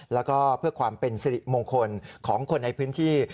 แล้วก็เพื่อความเป็นสิริมงคลของคนในพื้นที่